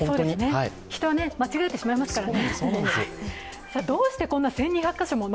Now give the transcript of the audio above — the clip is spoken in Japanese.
人は間違えてしまいますからね。